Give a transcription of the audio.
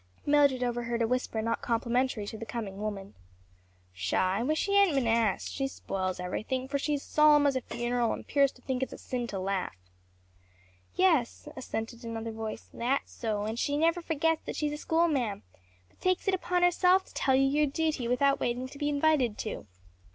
Mildred overheard a whisper not complimentary to the coming woman, "Pshaw! I wish she hadn't been asked. She spoils everything; for she's as solemn as a funeral and 'pears to think it's a sin to laugh." "Yes," assented another voice, "that's so! and she never forgets that she's a schoolma'am; but takes it upon herself to tell you your duty without waiting to be invited to."